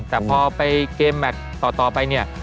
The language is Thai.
แต่พอไปเกมแมทต่อไปเนี่ย